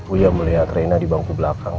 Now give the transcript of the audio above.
uya melihat rena di bangku belakang